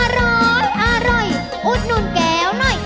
อร่อยอร่อยอุดหนุนแก้วหน่อย